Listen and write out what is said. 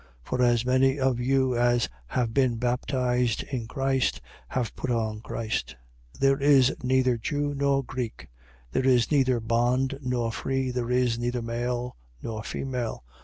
3:27. For as many of you as have been baptized in Christ have put on Christ. 3:28. There is neither Jew nor Greek: there is neither bond nor free: there is neither male nor female.